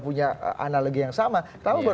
punya analogi yang sama kenapa baru